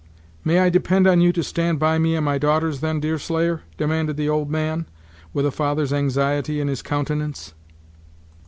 "May I depend on you to stand by me and my daughters, then, Deerslayer?" demanded the old man, with a father's anxiety in his countenance.